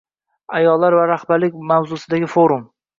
Ayollar va rahbarlik mavzusida forum